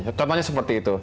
contohnya seperti itu